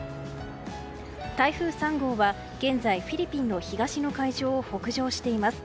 台風３号は現在、フィリピンの東の海上を北上しています。